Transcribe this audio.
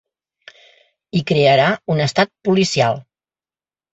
I crearà un estat policial.